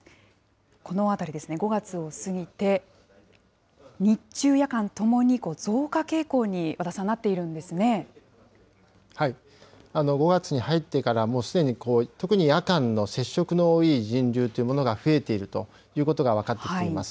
この辺りですね、５月を過ぎて、日中、夜間ともに増加傾向に、和田さん、５月に入ってから、もうすでに、特に夜間の接触の多い人流というものが増えているということが分かってきています。